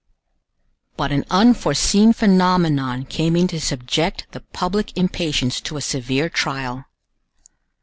But an unforeseen phenomenon came in to subject the public impatience to a severe trial.